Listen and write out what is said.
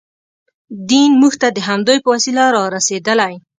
دین موږ ته د همدوی په وسیله رارسېدلی.